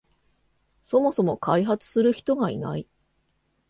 そもそも開発する人がいない